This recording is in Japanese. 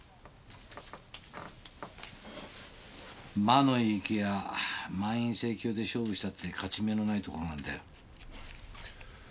魔の池や満員盛況で勝負したって勝ち目のないところなんだよ。